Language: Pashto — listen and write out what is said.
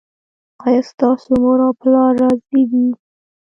ایا ستاسو مور او پلار راضي دي؟